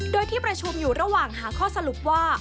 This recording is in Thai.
โดยที่ประชุมอยู่ระหว่างหาข้อสรุปว่า